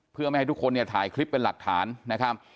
เพื่อไม่ให้ทุกคนเนี่ยถ่ายคลิปเป็นหลักฐานนะครับ